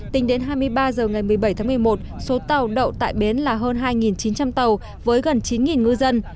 tính đến hai mươi ba h ngày một mươi bảy tháng một mươi một số tàu đậu tại bến là hơn hai chín trăm linh tàu với gần chín ngư dân